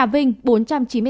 tây ninh năm trăm tám mươi ba ca